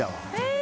え！